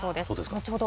後ほど